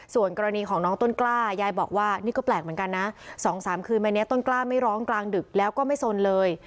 ส่วนกรณีของน้องต้นกล้ายายบอกว่านี่ก็แปลกเหมือนกันนะ๒๓คืนมานี้ต้นกล้าไม่ร้องกลางดึกแล้วก็ไม่สนเลย